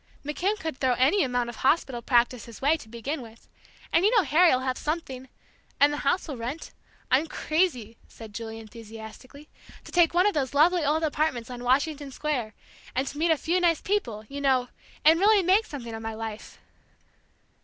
McKim could throw any amount of hospital practice his way, to begin with. And you know Harry'll have something, and the house will rent. I'm crazy," said Julie, enthusiastically, "to take one of those lovely old apartments on Washington Square, and meet a few nice people, you know, and really make something of my life!"